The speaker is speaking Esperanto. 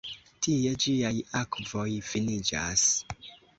Tie ĝiaj akvoj finiĝas.